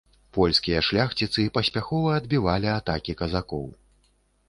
Польскія шляхціцы паспяхова адбівалі атакі казакоў.